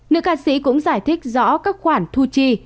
nữ ca sĩ cũng giải thích rõ các khoản thu chi